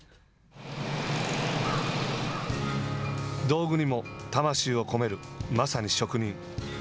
道具にも魂を込めるまさに職人。